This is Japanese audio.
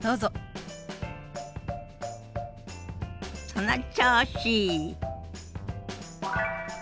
その調子！